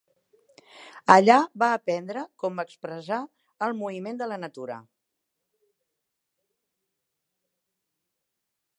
Allà va aprendre com expressar el moviment de la natura.